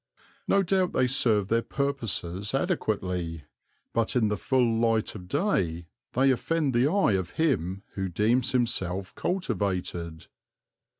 No doubt they serve their purposes adequately, but in the full light of day they offend the eye of him who deems himself cultivated.